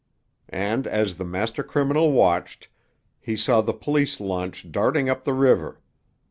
And, as the master criminal watched, he saw the police launch darting up the river.